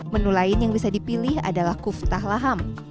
menu lain yang bisa dipilih adalah kuftah laham